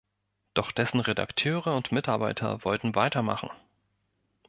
Doch dessen Redakteure und Mitarbeiter wollten weitermachen.